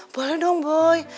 boleh dong boy